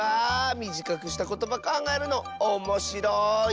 みじかくしたことばかんがえるのおもしろい。